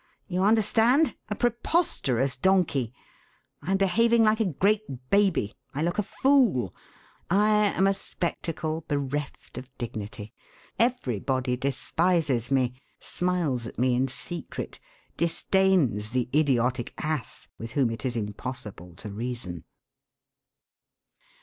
You understand, a preposterous donkey! I am behaving like a great baby. I look a fool. I am a spectacle bereft of dignity. Everybody despises me, smiles at me in secret, disdains the idiotic ass with whom it is impossible to reason.'